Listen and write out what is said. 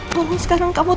tolong sekarang kamu tenang